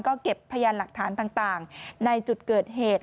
ก็เก็บพยานหลักฐานต่างในจุดเกิดเหตุ